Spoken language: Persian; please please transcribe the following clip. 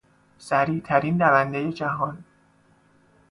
سریعترین دوندهی جهان